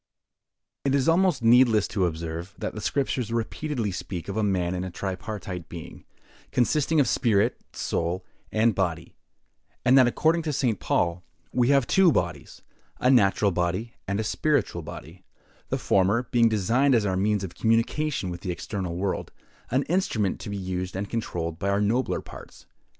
IT is almost needless to observe, that the Scriptures repeatedly speak of man as a tripartite being, consisting of spirit, soul, and body: and that, according to St. Paul, we have two bodies—a natural body and a spiritual body; the former being designed as our means of communication with the external world—an instrument to be used and controlled by our nobler parts.